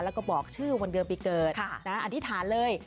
แล้วก็บอกชื่อวันเดือนปีเกิดอธิษฐานเลย